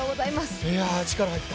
力が入った。